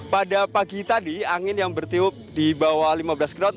pada pagi tadi angin yang bertiup di bawah lima belas knot